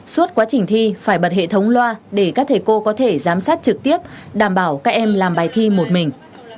suốt quá trình thi phải bật hệ thống loa để các thầy cô có thể giám sát trực tiếp đảm bảo các em làm bài thi một mình